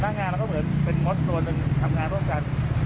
งานเราก็เหมือนเป็นมดตัวหนึ่งทำงานร่วมกัน